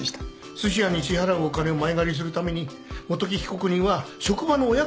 すし屋に支払うお金を前借りするために元木被告人は職場の親方の元に走った。